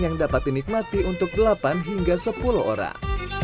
yang dapat dinikmati untuk delapan hingga sepuluh orang